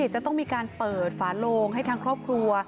จะต้องมีการเปิดฝาโลงให้ทางครอบครัว